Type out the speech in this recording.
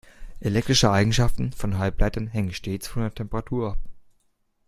Elektrische Eigenschaften von Halbleitern hängen stets von der Temperatur ab.